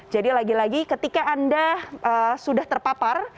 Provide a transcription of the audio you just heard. jadi lagi lagi ketika anda sudah terpapar